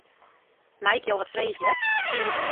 Mei ik jo wat freegje?